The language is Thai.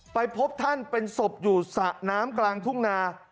ไปพบท่านเป็นสบอยู่สนามกลางทุ่งนา